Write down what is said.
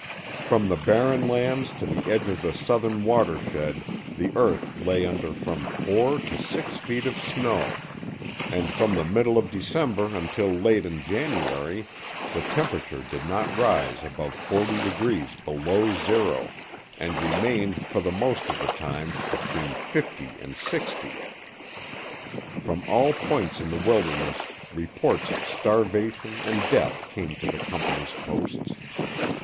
From the Barren Lands to the edge of the southern watershed the earth lay under from four to six feet of snow, and from the middle of December until late in January the temperature did not rise above forty degrees below zero, and remained for the most of the time between fifty and sixty. From all points in the wilderness reports of starvation and death came to the company's posts.